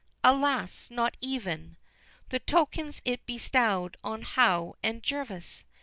Alas! not even The tokens it bestowed on Howe and Jervis!